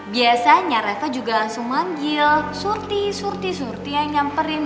biasanya reva juga langsung manggil surti surti surti yang nyamperin